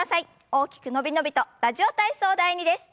大きく伸び伸びと「ラジオ体操第２」です。